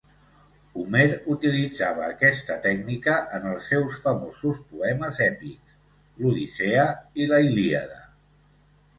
Homer utilitzava aquesta tècnica en els seus famosos poemes èpics, l'Odissea i la Ilíada.